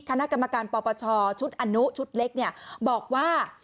คณะกรรมการปปชชุดอนุชุดเล็กเนี่ยบอกว่า